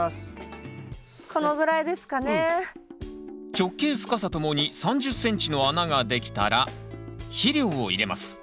直径深さともに３０ｃｍの穴が出来たら肥料を入れます。